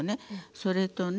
それとね